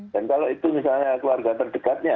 dan kalau itu misalnya keluarga terdekatnya